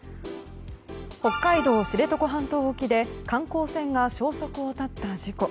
北海道知床半島沖で観光船が消息を絶った事故。